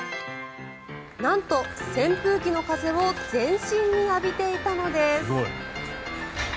なんと、扇風機の風を全身に浴びていたのです。